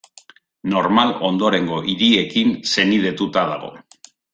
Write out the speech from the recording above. Normal ondorengo hiriekin senidetuta dago.